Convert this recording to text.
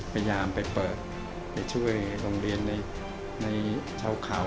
พยายามไปเปิดไปช่วยโรงเรียนในชาวเขา